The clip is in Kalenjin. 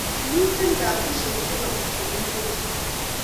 Mmiten kasishek che bo pik che mengechen